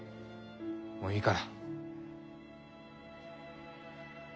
もういいから。